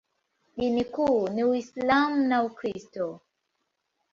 Dini kuu ni Uislamu na Ukristo.